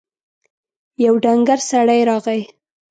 يو ډنګر سړی راغی.